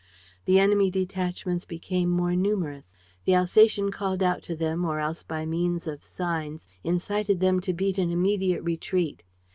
The enemy detachments became more numerous. The Alsatian called out to them or else by means of signs incited them to beat an immediate retreat.